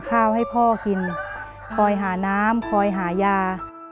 เปลี่ยนเพลงเพลงเก่งของคุณและข้ามผิดได้๑คำ